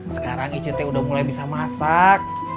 sekarang ije te udah mulai bisa masak